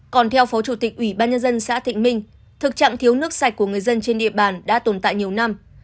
còn theo phó chủ tịch ủy ban nhân dân xã thịnh minh thực trạng thiếu nước sạch của người dân trên địa bàn đã tồn tại nhiều năm